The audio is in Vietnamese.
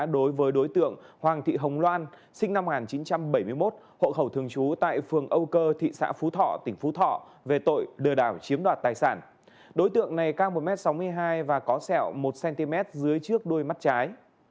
đối tượng này cao một m sáu mươi hai và có sẹo một cm dưới trước đôi mắt trái